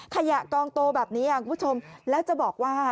ทะหรือกองโตแบบนี้แล้วจะบอกว่า